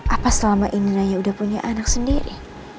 apa selama ini raya udah punya anak sendiri